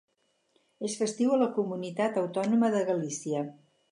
És festiu a la Comunitat Autònoma de Galícia.